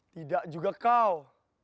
tidak juga kau